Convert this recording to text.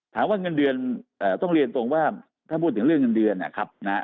เงินเดือนต้องเรียนตรงว่าถ้าพูดถึงเรื่องเงินเดือนนะครับ